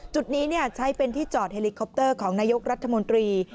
จุดนี้ใช้เป็นที่จอดเฮลิคอปเตอร์ของนายกรัฐมนตรี